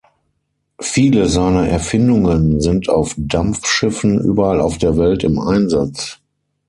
Viele seiner Erfindungen sind auf Dampfschiffen überall auf der Welt im Einsatz.